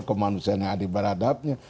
kemanusiaan yang adibaradabnya